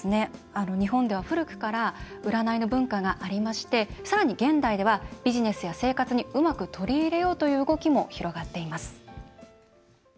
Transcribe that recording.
日本では古くから占いの文化がありましてさらに現代ではビジネスや生活にうまく取り入れようという動きも広がっています。